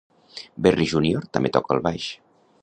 Berry Junior també toca el baix.